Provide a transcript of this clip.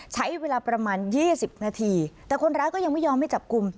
ใช้เวลาประมาณ๒๐นาทีแต่คนร้ายก็ยังไม่ยอมให้จับกลุ่ม